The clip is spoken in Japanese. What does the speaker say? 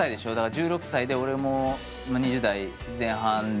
１６歳で俺も２０代前半で。